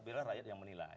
biar rakyat yang menilai